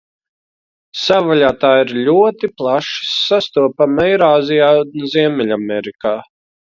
Savvaļā tā ir ļoti plaši sastopama Eirāzijā un Ziemeļamerikā.